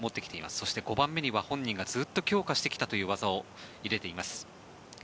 そして５番目には本人がずっと強化してきたという技を入れています。